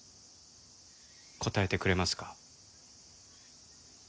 答えてくれますか？